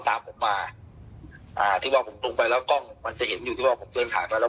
ถึงว่าผมลงไปแล้วกล้องมันจะเห็นอยู่ที่ว่าผมเตือนถ่ายไปแล้ว